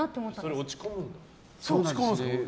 それ落ち込むんだ？